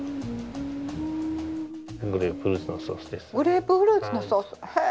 グレープフルーツのソースです。